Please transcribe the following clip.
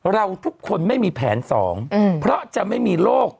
เราทุกคนไม่มีแผนสองเพราะจะไม่มีโรค